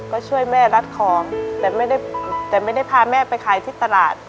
ก็ช่วยแม่รัดของแต่ไม่ได้แต่ไม่ได้พาแม่ไปขายที่ตลาด